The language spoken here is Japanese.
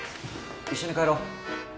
一緒に帰ろう。